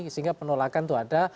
sehingga penolakan itu ada